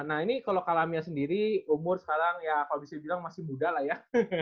nah ini kalau kalamia sendiri umur sekarang ya kalau bisa dibilang masih muda lah ya